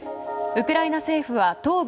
ウクライナ政府は東部